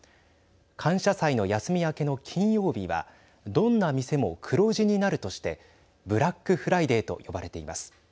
感謝祭の休み明けの金曜日はどんな店も黒字になるとしてブラックフライデーと呼ばれています。